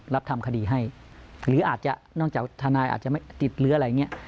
รับทำคดีให้หรืออาจจะนอกจากทนายอาจจะไม่ติดหรืออะไรอย่างนี้